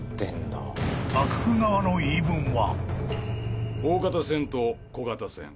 ［幕府側の言い分は］